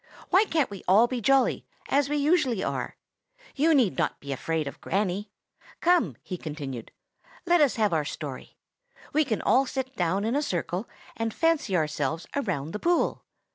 Why can't we all be jolly, as we usually are? You need not be afraid of Granny. "Come," he continued, "let us have our story. We can all sit down in a circle, and fancy ourselves around the pool.